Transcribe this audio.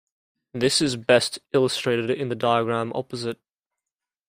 This is best illustrated in the diagram opposite.